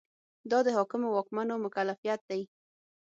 دا د حاکمو واکمنو مکلفیت دی.